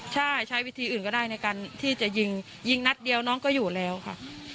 ใช่ใช้วิธีอื่นก็ได้ในการที่จะยิงยิงนัดเดียวน้องก็อยู่แล้วค่ะ